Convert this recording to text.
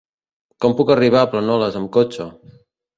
Com puc arribar a Planoles amb cotxe?